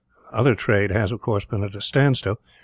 Other trade has, of course, been at a standstill.